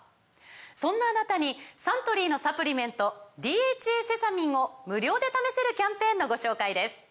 そんなあなたにサントリーのサプリメント「ＤＨＡセサミン」を無料で試せるキャンペーンのご紹介です